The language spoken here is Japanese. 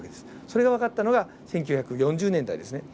それが分かったのが１９４０年代ですね。